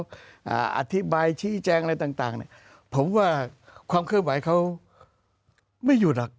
เขาอธิบายชี้แจ้งอะไรต่างผมว่าความเคลื่อนไหวเขาไม่หยุดหรอก